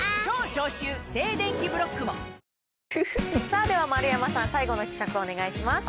さあでは丸山さん、最後の企画、お願いします。